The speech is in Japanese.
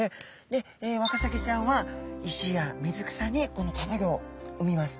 でワカサギちゃんは石や水草にこのたまギョを産みます。